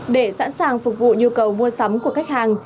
để sẵn sàng phục vụ nhu cầu mua sắm của khách hàng